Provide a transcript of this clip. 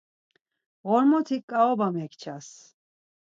Ğormotik ǩaoba mekças.